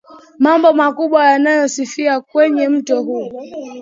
mambo makubwa yanayo sifika kwenye mto huu